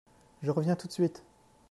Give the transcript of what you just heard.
Je reviens tout de suite.